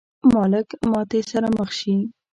مالک ماتې سره مخ شي.